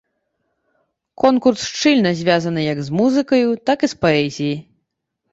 Конкурс шчыльна звязаны як з музыкаю, так і з паэзіяй.